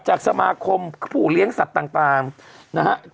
จากสมาคมผู้เลี้ยงสัตว์ต่างนะฮะ